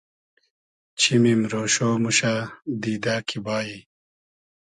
چیمیم رۉشۉ موشۂ دیدۂ کی بایی